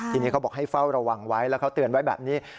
ทีนี้เขาบอกให้เฝ้าระวังไว้แล้วเขาเตือนไว้แบบนี้